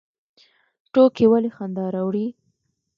ټوکې ولې خندا راوړي؟